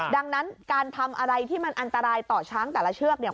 ดังนั้นการทำอะไรที่มันอันตรายต่อช้างแต่ละเชือกเนี่ย